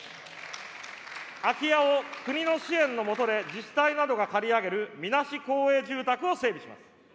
空き家を国の支援の下で自治体などが借り上げるみなし公営住宅を整備します。